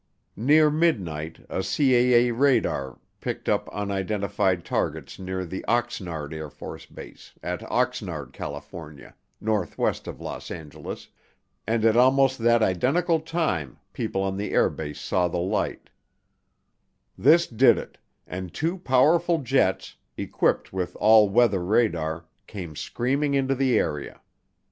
Near midnight a CAA radar picked up unidentified targets near the Oxnard AFB, at Oxnard, California (northwest of Los Angeles), and at almost that identical time people on the airbase saw the light This did it, and two powerful jets, equipped with all weather radar, came screaming into the area.